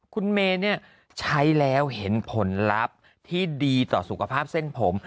คุณเมย์ใช้แล้วเห็นผลลัพธ์ที่ดีต่อสุขภาพเส้นผม